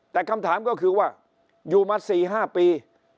แต่คำถามก็คือว่าอยู่มา๔๕ปี